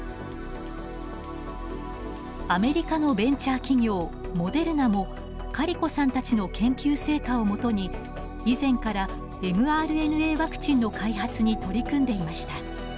アメリカのベンチャー企業モデルナもカリコさんたちの研究成果をもとに以前からｍＲＮＡワクチンの開発に取り組んでいました。